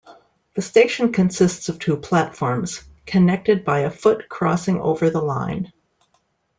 The station consists of two platforms, connected by a foot crossing over the line.